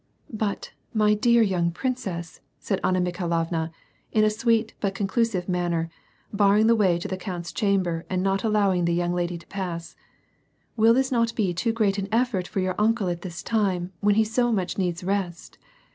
*'But, my dear young princess," said Anna Mikhailovna, in a sweet but conclusive manner, barring the way to the count^s chamber and not allowing the young lady to pass, " Will this not be too great an effort for your uncle at this time when he so much needs rest